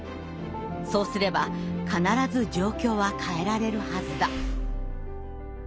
そうすれば必ず状況は変えられるはずだ」。